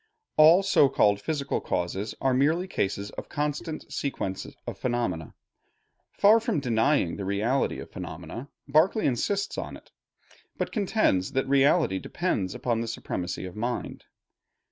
All so called physical causes are merely cases of constant sequence of phenomena. Far from denying the reality of phenomena, Berkeley insists upon it; but contends that reality depends upon the supremacy of mind.